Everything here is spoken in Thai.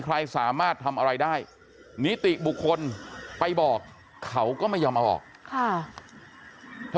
ใครสามารถทำอะไรได้นิติบุคคลไปบอกเขาก็ไม่ยอมเอาออกค่ะ